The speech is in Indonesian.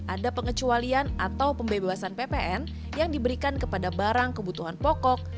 ada pengecualian atau pembebasan ppn yang diberikan kepada barang kebutuhan pokok